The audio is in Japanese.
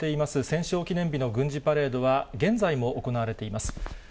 戦勝記念日の軍事パレードは、現在も行われています。